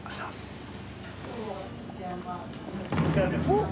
おっ！